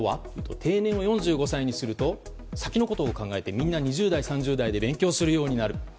定年を４５歳にすると先のことを考えてみんな２０代、３０代で勉強をするようになる。